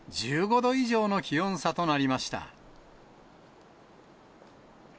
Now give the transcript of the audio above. １５度以上の気温差となりました。